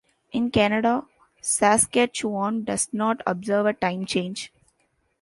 In Canada, Saskatchewan does not observe a time change.